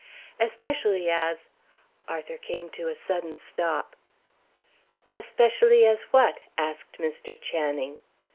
"Especially as " Arthur came to a sudden stop. "Especially as what?" asked Mr. Channing.